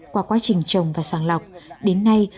qua quá trình trồng và sàng lọc đến nay